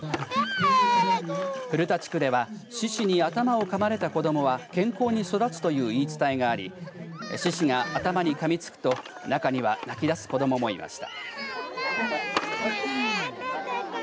古田地区では獅子に頭をかまれた子どもは健康に育つという言い伝えがあり獅子が頭に噛みつくと中には泣きだす子どもも思いました。